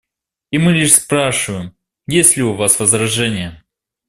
И мы лишь спрашиваем, есть ли у вас возражения.